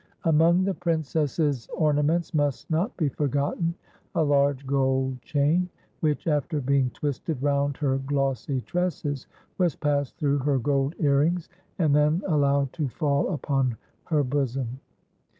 Among the princess's ornaments must not be forgotten a large gold chain, which, after being twisted round her glossy tresses, was passed through her gold earrings and then allowed to fall upon her bosom.